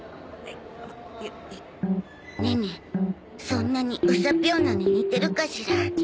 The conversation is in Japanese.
そんなにうさぴょんぬに似てるかしら。